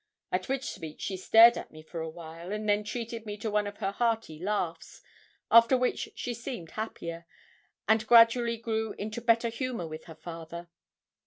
At which speech she stared at me for a while, and then treated me to one of her hearty laughs, after which she seemed happier, and gradually grew into better humour with her father.